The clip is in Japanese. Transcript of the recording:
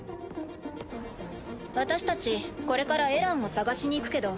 私たちこれからエランを捜しに行くけど。